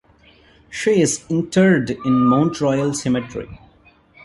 She is interred in Mount Royal Cemetery.